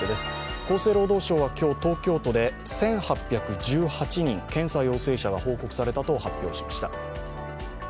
厚生労働省は今日、東京都で１８１８人検査陽性者が報告されたと発表しました。